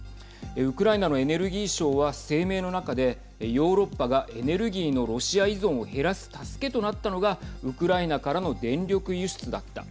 ウクライナのエネルギー相は声明の中でヨーロッパはエネルギーのロシア依存を減らす助けとなったのがウクライナからの電力輸出だった。